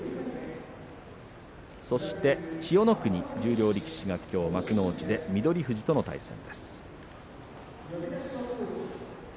そして、千代の国、十両力士が幕内で翠富士と対戦です。